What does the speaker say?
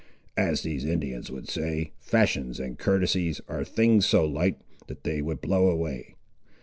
As these Indians would say, fashions and courtesies are things so light, that they would blow away.